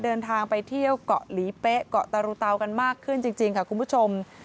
เดินทางไปเที่ยวเกาะหลีเป๊ะเกาะตารุเตากันมากขึ้นจริงค่ะคุณผู้ชม